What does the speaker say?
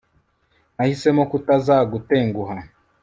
nahisemo kutazagutenguha